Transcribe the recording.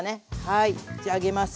はいじゃあ上げます。